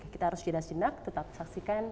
kita harus jelas jendak tetap saksikan